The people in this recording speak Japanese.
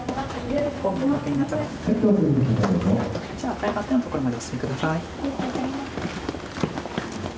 赤いバッテンのところまでお進みください。